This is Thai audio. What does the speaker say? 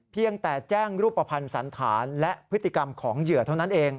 เพียงแต่แจ้งรูปภัณฑ์สันธารและพฤติกรรมของเหยื่อเท่านั้นเอง